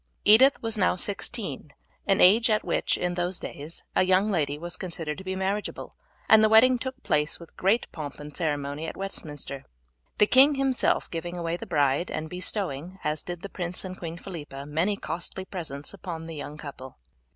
Edith was now sixteen, an age at which, in those days, a young lady was considered to be marriageable, and the wedding took place with great pomp and ceremony at Westminster; the king himself giving away the bride, and bestowing, as did the prince and Queen Philippa, many costly presents upon the young couple.